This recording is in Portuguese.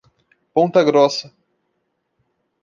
Ponta Grossa